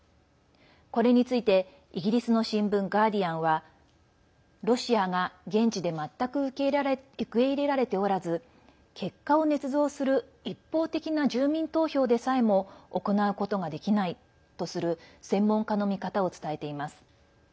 これについてイギリスの新聞ガーディアンはロシアが現地で全く受け入れられておらず結果をねつ造する一方的な住民投票でさえも行うことができないとする専門家の見方を伝えています。